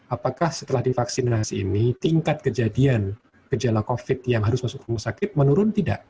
apakah setelah divaksinasi ini tingkat kejadian gejala covid yang harus masuk rumah sakit menurun tidak